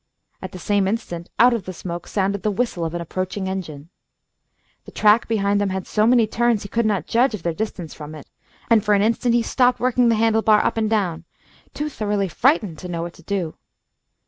At the same instant, out of the smoke, sounded the whistle of an approaching engine. The track behind them had so many turns, he could not judge of their distance from it, and for an instant he stopped working the handle bar up and down, too thoroughly frightened to know what to do.